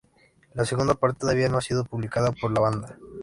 La segunda parte todavía no ha sido publicada por la banda.